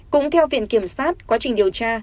cũng theo viện kiểm sát quá trình điều tra